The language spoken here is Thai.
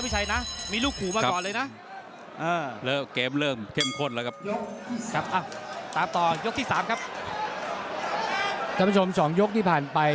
สำคัญชมสองยกที่ผ่านไป